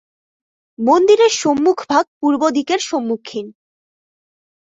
মন্দিরের সম্মুখ ভাগ পূর্ব দিকের সম্মুখীন।